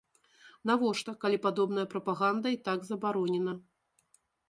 Навошта, калі падобная прапаганда і так забаронена?